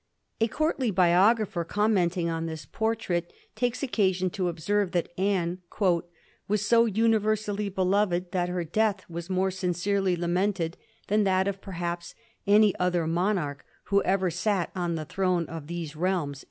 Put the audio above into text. A courtly biographer commenting on this portrait takes occasion to observe that Anne ' was so universally beloved that her death was more sincerely lamented than that of perhaps any other monarch who ever sat on the throne of these reahns.'